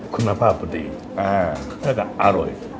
๑๐๐คุณภาพดีแล้วก็อร่อย